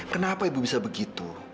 kenapa ibu bisa begitu